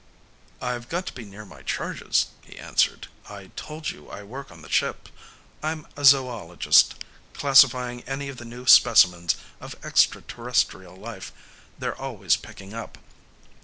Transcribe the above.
"I've got to be near my charges," he answered. "I told you I work on the ship; I'm a zoologist classifying any of the new specimens of extraterrestrial life they're always picking up.